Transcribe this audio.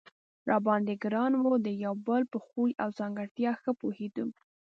را باندې ګران و، د یو او بل په خوی او ځانګړتیا ښه پوهېدو.